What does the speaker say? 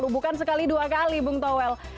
bukan sekali dua kali bung towel